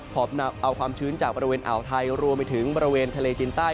อบนำเอาความชื้นจากบริเวณอ่าวไทยรวมไปถึงบริเวณทะเลจีนใต้